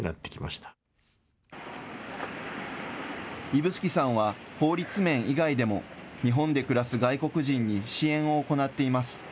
指宿さんは、法律面以外でも、日本で暮らす外国人に支援を行っています。